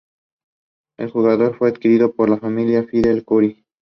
El Jugador fue adquirido por la familia Fidel Kuri.